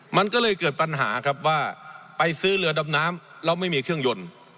มันก็เลยเกิดปัญหาครับว่าไปซื้อเรือดำน้ำแล้วไม่มีเครื่องยนต์